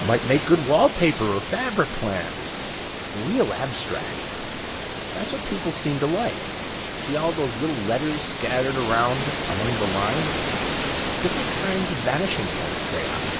Might make good wall paper or fabric patterns. Real abstract ... that's what people seem to like. See all those little letters scattered around among the lines? Different kinds of vanishing points, they are.